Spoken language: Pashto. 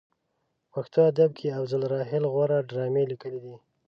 په پښتو ادب کې افضل راحل غوره ډرامې لیکلې دي.